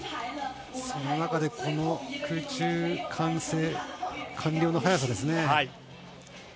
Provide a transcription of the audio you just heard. その中でこの空中完成、完了の早さですよね。